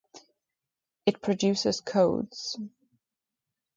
It produces codes